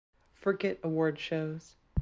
Forget awards shows.